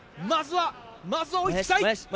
まずは追いつきたい。